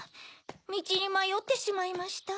みちにまよってしまいました。